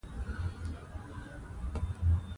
تودوخه د افغانستان د طبیعت د ښکلا برخه ده.